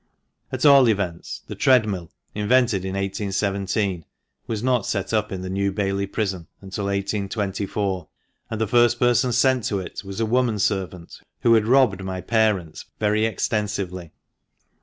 At all events, the treadmill— invented in 1817— was not set up in the New Bailey Prison until 1824, and the first person sent to it was a woman servant who had robbed my parents very extensively.